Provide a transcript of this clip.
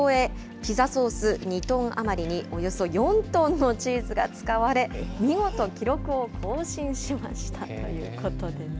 ピザソース２トン余りに、およそ４トンのチーズが使われ、見事、記録を更新しましたということでね。